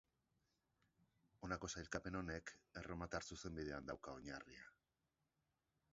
Honako sailkapen honek, erromatar zuzenbidean dauka oinarria.